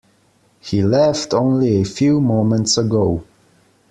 He left only a few moments ago.